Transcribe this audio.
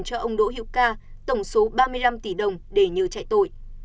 cho ông đỗ hiệu ca tổng số ba mươi năm tỷ đồng để nhờ chạy tội